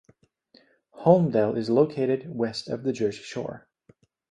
Holmdel is located west of the Jersey Shore.